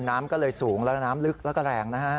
น้ำก็เลยสูงแล้วน้ำลึกแล้วก็แรงนะฮะ